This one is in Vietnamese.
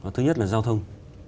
thứ nhất là giao thông